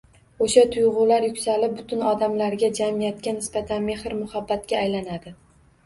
Oʻsha tuygʻular yuksalib, butun odamlarga, jamiyatga nisbatan mehr-muhabbatga aylanadi.